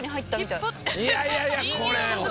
いやいやいやこれ本当？